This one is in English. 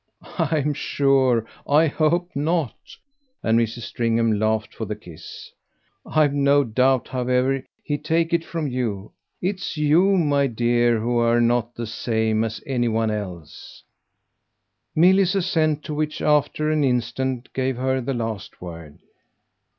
"I'm sure I hope not!" and Mrs. Stringham laughed for the kiss. "I've no doubt, however, he'd take it from you! It's YOU, my dear, who are not the same as any one else." Milly's assent to which, after an instant, gave her the last word.